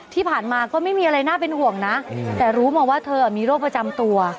ที่ผ่านมาก็ไม่มีอะไรน่าเป็นห่วงนะแต่รู้มาว่าเธอมีโรคประจำตัว